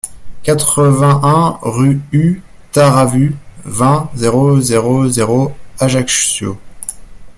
quatre-vingt-un rue U Taravu, vingt, zéro zéro zéro, Ajaccio